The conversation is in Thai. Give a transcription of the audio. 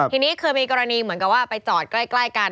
ทีนี้เคยมีกรณีเหมือนกับว่าไปจอดใกล้กัน